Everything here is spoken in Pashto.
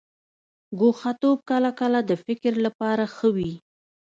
ګوښه توب کله کله د فکر لپاره ښه وي.